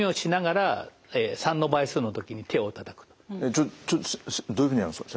ちょどういうふうにやるんですか？